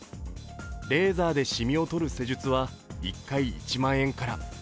レーザーでしみを取る施術は１回１万円から。